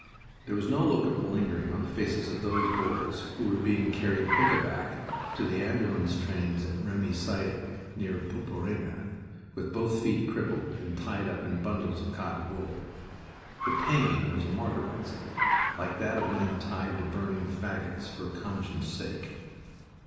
There was no look of malingering on the faces of those boys who were being carried pick a back to the ambulance trains at Remy siding, near Poperinghe, with both feet crippled and tied up in bundles of cotton wool. The pain was martyrizing, like that of men tied to burning fagots for conscience' sake.